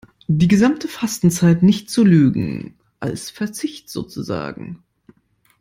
Die gesamte Fastenzeit nicht zu Lügen, als Verzicht sozusagen.